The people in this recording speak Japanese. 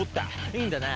いいんだな？